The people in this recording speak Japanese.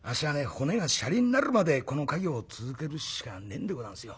骨が舎利になるまでこの稼業を続けるしかねえんござんすよ。